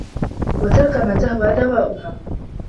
وَتَرْكَ مَا تَهْوَى دَوَاؤُهَا